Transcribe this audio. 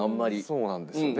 そうなんですよ。